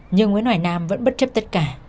nhưng nguyễn hoài nam vẫn bất chấp tất cả